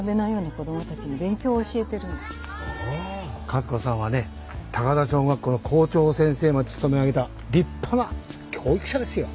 勝子さんはね高田小学校の校長先生まで務め上げた立派な教育者ですよ。